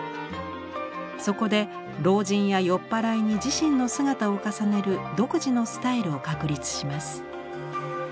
そこで老人や酔っ払いに自身の姿を重ねる独自のスタイルを確立します。